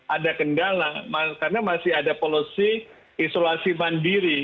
ada kendala karena masih ada polosi isolasi mandiri